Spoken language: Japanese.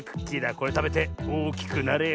これたべておおきくなれよ。